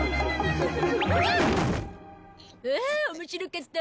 ああ面白かった！